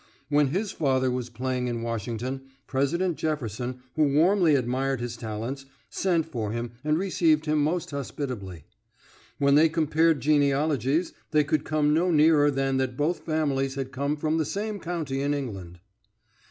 When his father was once playing in Washington, President Jefferson, who warmly admired his talents, sent for him and received him most hospitably. When they compared genealogies they could come no nearer than that both families had come from the same county in England."